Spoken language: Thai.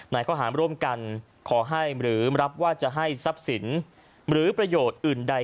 ข้อหารร่วมกันขอให้หรือรับว่าจะให้ทรัพย์สินหรือประโยชน์อื่นใด